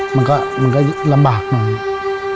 มันก็ลำบากหน่อย